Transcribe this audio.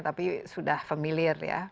tapi sudah familiar ya